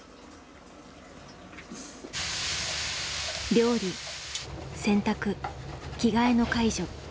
料理洗濯着替えの介助。